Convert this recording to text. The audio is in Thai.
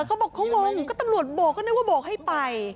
เขาบอกเขางงก็ตำรวจโบกก็นึกว่าโบกให้ไป